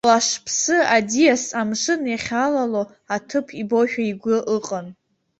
Лашԥсы аӡиас амшын иахьалало аҭыԥ ибошәа игәы ыҟан.